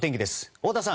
太田さん。